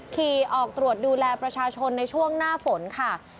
ขี่ออกตรวจดูแลประชาชนในช่วงหน้าฝนค่ะ